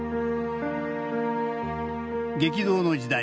激動の時代